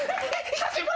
久しぶり。